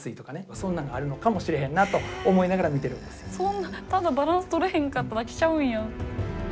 そんなただバランスとれへんかっただけちゃうんや。